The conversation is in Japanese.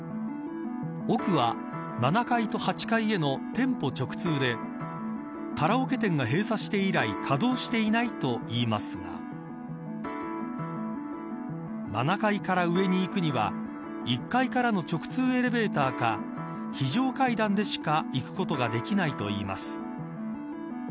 奥は、７階と８階への店舗直通でカラオケ店が閉鎖して以来稼働していないと言いますが７階から上に行くには１階からの直通エレベーターか非常階段でしか行くことができないといいます。